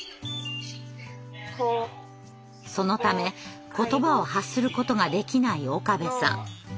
そのため言葉を発することができない岡部さん。